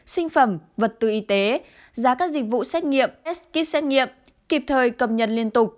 sinh phẩm vật tư y tế giá các dịch vụ xét nghiệm test kit xét nghiệm kịp thời cập nhật liên tục